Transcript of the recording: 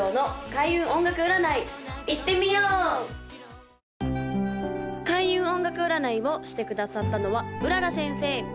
・開運音楽占いをしてくださったのは麗先生